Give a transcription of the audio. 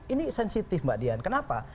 ini sensitif mbak dian kenapa